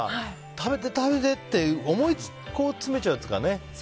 食べて食べて！って思い詰めちゃうというか。